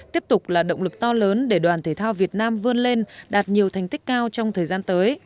tiếp tục là động lực to lớn để đoàn thể thao việt nam vươn lên đạt nhiều thành tích cao trong thời gian tới